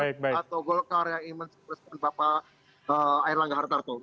atau golkar yang ingin capreskan pak air langga hartarto